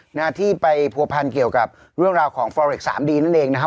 หน้าที่ไปผัวพันเกี่ยวกับเรื่องราวของฟอเร็กสามดีนั่นเองนะฮะ